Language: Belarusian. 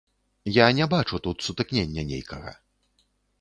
Я не бачу тут сутыкнення нейкага.